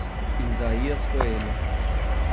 Isaías Coelho